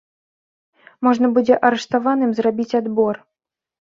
Можна будзе арыштаваным зрабіць адбор.